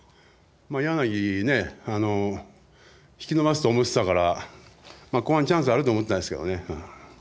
柳をね引き伸ばすと思っていたからここまでチャンスあると思っていたんですけどね。